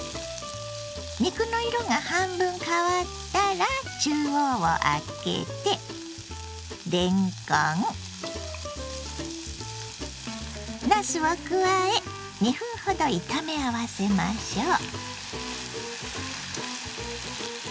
肉の色が半分変わったら中央をあけてれんこんなすを加え２分ほど炒め合わせましょう。